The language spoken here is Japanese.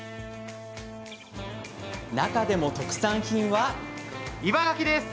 中でも、特産品は。